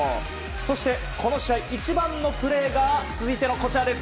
そして、この試合一番のプレーがこちらです。